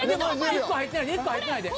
１個入ってないで。